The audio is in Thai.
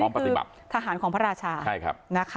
นี่คือทหารของพระราชา